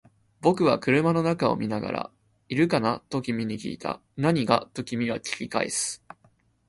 僕は車の中を見ながら、いるかな？と君に訊いた。何が？と君は訊き返す。